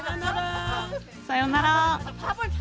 さようなら。